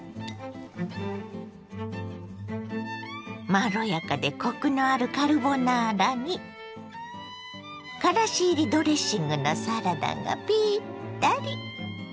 まろやかでコクのあるカルボナーラにからし入りドレッシングのサラダがピッタリ。